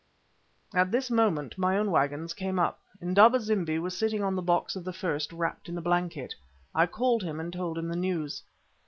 At this moment my own waggons came up. Indaba zimbi was sitting on the box of the first, wrapped in a blanket. I called him and told him the news.